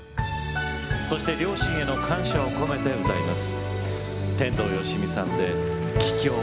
そして両親への感謝を込めて歌います。